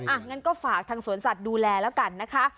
งั้นก็ฝากทางสวนสัตว์ดูแลแล้วกันนะคะ